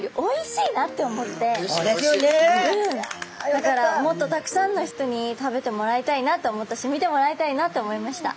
だからもっとたくさんの人に食べてもらいたいなと思ったし見てもらいたいなと思いました。